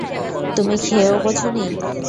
তুমি খেয়েও বোঝোনি!